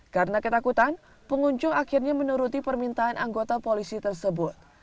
karena ketakutan pengunjung akhirnya menuruti permintaan anggota polisi tersebut